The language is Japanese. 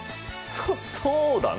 そそうだね。